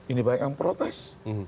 ini banyak yang protes